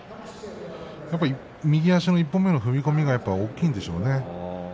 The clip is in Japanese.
やっぱり右足の１歩目の踏み込みが大きいんでしょうね。